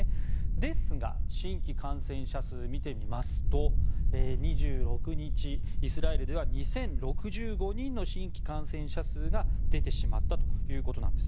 ですが、新規感染者数見てみますと２６日イスラエルでは２０６５人の新規感染者数が出てしまったということです。